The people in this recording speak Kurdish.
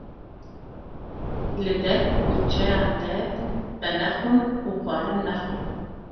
Li der û kuçeyan de venexwin û xwarin nexwin